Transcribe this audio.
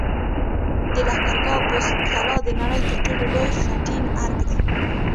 د لښکرګاه بست قلعه د نړۍ تر ټولو لوی خټین ارک دی